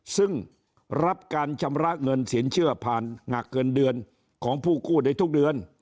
ซึ่งรับการชำระเงินสินเชื่อผ่านงักเงินเดือนของผู้กู้ได้ทุกเดือน